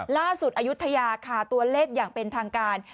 อายุทยาค่ะตัวเลขอย่างเป็นทางการ